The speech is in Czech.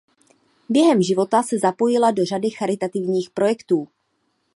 Během života se zapojila do řady charitativních projektů.